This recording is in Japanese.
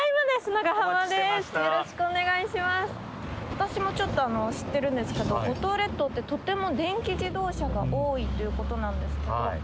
私もちょっと知ってるんですけど五島列島ってとても電気自動車が多いということなんですけど。